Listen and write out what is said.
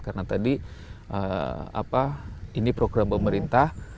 karena tadi ini program pemerintah